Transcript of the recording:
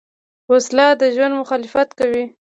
وسله د ژوند مخالفت کوي